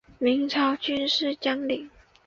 明朝军事将领。